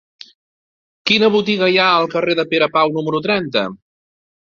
Quina botiga hi ha al carrer de Pere Pau número trenta?